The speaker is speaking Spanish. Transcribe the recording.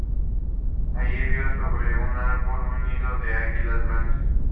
Allí vio sobre un árbol un nido de águilas blancas.